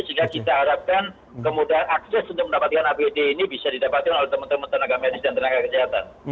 sehingga kita harapkan kemudahan akses untuk mendapatkan apd ini bisa didapatkan oleh teman teman tenaga medis dan tenaga kesehatan